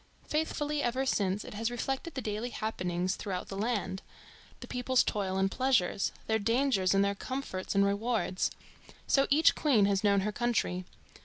Faithfully ever since it has reflected the daily happenings through out the land, the people's toil and pleasures, their dangers and their comforts and rewards. So each queen has known her country.